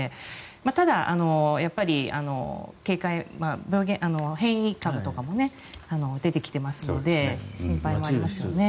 ただ、変異株とかも出てきていますので心配もありますね。